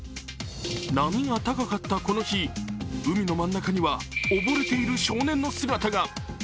波が高かったこの日、海の真ん中には溺れている少年の姿が。